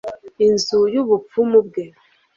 inzu yubupfumu bwe